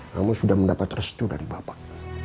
namun sudah mendapat restu dari bapak